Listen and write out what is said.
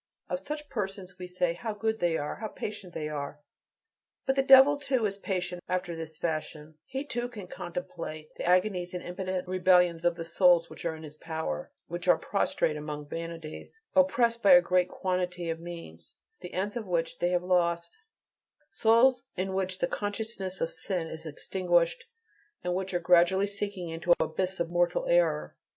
Of such persons we say: "How good they are! how patient they are!" But the devil, too, is patient after this fashion: he too can contemplate the agonies and impotent rebellions of the souls which are in his power, which are prostrate among vanities, oppressed by a great quantity of means, the ends of which they have lost, souls in which the consciousness of sin is extinguished, and which are gradually sinking into an abyss of mortal error.